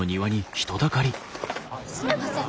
すみません。